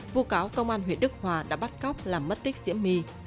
vụ cáo công an huyện đức hòa đã bắt cóc làm mất tích diễm my